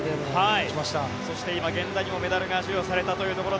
そして今、源田にもメダルが授与されたというところ。